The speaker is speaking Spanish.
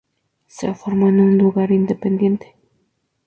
Se formó en un lugar independiente.